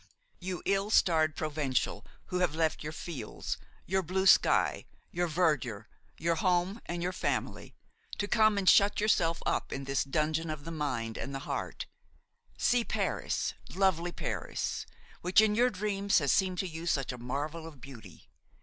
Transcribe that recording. You ill starred provincial, who have left your fields, your blue sky, your verdure, your house and your family, to come and shut yourself up in this dungeon of the mind and the heart–see Paris, lovely Paris, which in your dreams has seemed to you such a marvel of beauty!